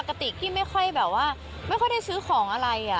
ปกติพี่ไม่ค่อยแบบว่าไม่ค่อยได้ซื้อของอะไร